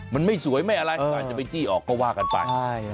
มันไม่สวยไม่อะไรก็อาจจะไปจี้ออกก็ว่ากันไป